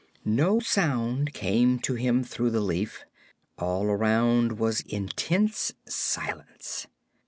No sound came to him through the leaf; all around was intense silence.